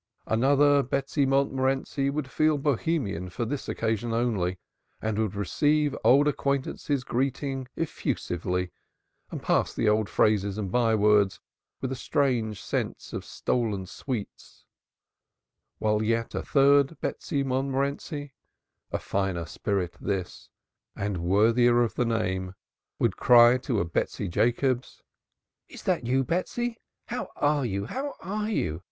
Another Betsy Montmorenci would feel Bohemian for this occasion only, and would receive old acquaintances' greeting effusively, and pass the old phrases and by words with a strange sense of stolen sweets; while yet a third Betsy Montmorenci, a finer spirit this, and worthier of the name, would cry to a Betsy Jacobs: "Is that you, Betsy, how are you? How are you?